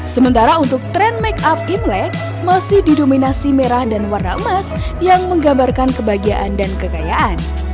sementara untuk tren make up imlek masih didominasi merah dan warna emas yang menggambarkan kebahagiaan dan kekayaan